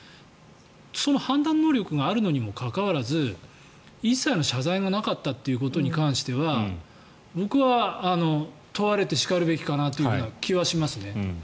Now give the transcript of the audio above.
その判断能力があるのにもかかわらず一切の謝罪がなかったことに関しては僕は問われてしかるべきかなという気はしますね。